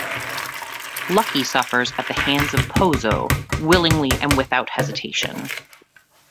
Lucky suffers at the hands of Pozzo willingly and without hesitation.